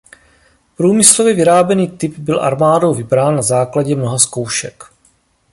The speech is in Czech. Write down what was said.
Průmyslově vyráběný typ byl armádou vybrán na základě mnoha zkoušek.